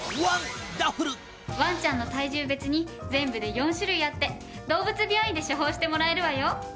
ワンちゃんの体重別に全部で４種類あって動物病院で処方してもらえるわよ。